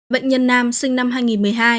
bệnh nhân nam sinh năm hai nghìn một mươi hai